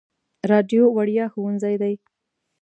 راډیو وړیا ښوونځی دی.